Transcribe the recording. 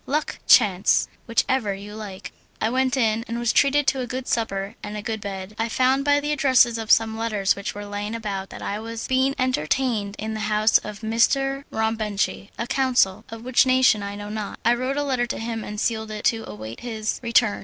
luck! chance! whichever you like. I went in and was treated to a good supper and a good bed. I found by the addresses of some letters which were lying about that I was being entertained in the house of M. Rombenchi a consul, of what nation I know not. I wrote a letter to him and sealed it to await his return.